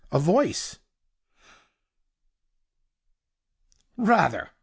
A voice. 'Rather!